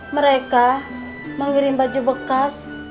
mereka mengirim baju bekas